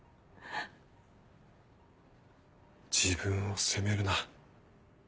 自分を責めるな。